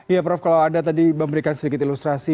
iya prof kalau anda tadi memberikan sedikit ilustrasi